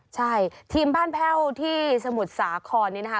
ใช่ทีมบ้านแพ่วที่สมุทรสาครนี้นะคะ